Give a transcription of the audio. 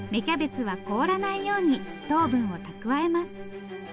キャベツは凍らないように糖分を蓄えます。